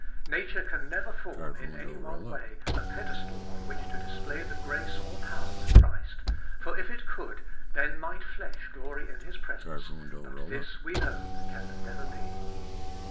Nature can never form, in any one way, a pedestal on which to display the grace or power of Christ; for if it could, then might flesh glory in his presence; but this, we know, can never be.